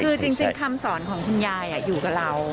คือจริงคำสอนของคุณยายอยู่กับเรา